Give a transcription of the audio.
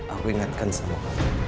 aku ingatkan sama kamu